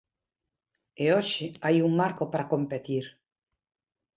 E hoxe hai un marco para competir.